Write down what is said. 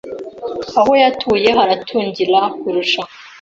Aho yatuye haragutungira kurusha